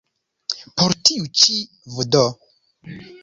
Por tiu ĉi vd.